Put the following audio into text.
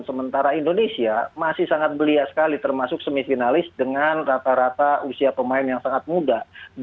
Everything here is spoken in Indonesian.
sementara indonesia masih sangat belia sekali termasuk semifinalis dengan rata rata usia pemain yang sangat muda